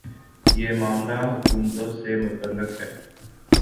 یہ معاملہ حکومتوں سے متعلق ہے۔